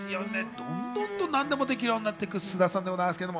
どんどんと何でもできるようになっていく菅田さんですけれども。